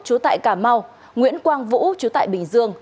chú tại cà mau nguyễn quang vũ chú tại bình dương